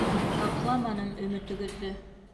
Аҡламаным өмөтөгөҙҙө.